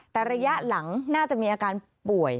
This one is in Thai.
แต่ระยะหลังน่าจะมีอาการป่วย